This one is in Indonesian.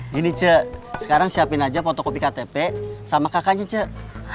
gini cek sekarang siapin aja fotokopi ktp sama kakaknya cek